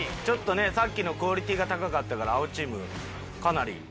ちょっとねさっきのクオリティーが高かったから青チームかなり。